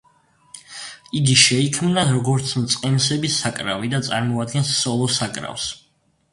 იგი შეიქმნა როგორც მწყემსების საკრავი და წარმოადგენს სოლო საკრავს.